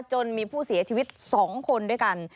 จนมีผู้เสียชีวิต๒คนด้วยกัน